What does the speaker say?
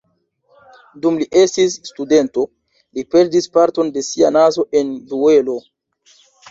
Dum li estis studento, li perdis parton de sia nazo en duelo.